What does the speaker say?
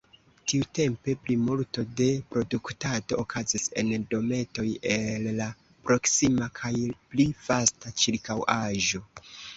Tiutempe plimulto de produktado okazis en dometoj el la proksima kaj pli vasta ĉirkaŭaĵo.